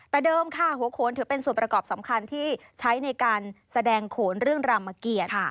แต่เดิมค่ะหัวโขนถือเป็นส่วนประกอบสำคัญที่ใช้ในการแสดงโขนเรื่องรามเกียรติ